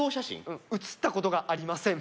うんうつったことがありません